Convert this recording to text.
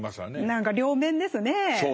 何か両面ですね。